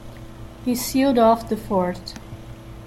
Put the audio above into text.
He sealed off the fort.